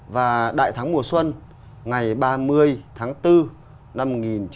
và đại thắng mùa xuân ngày ba mươi tháng bốn năm một nghìn chín trăm bảy mươi năm